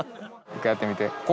一回やってみて。